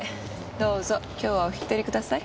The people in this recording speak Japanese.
どうぞ今日はお引き取りください。